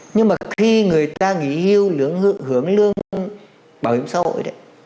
nhưng mà khi người ta nghĩ hướng lương bảo hiểm xã hội đấy